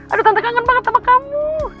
aduh tanda kangen banget sama kamu